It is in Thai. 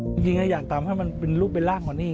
จริงอยากทำให้มันเป็นรูปเป็นร่างของนี่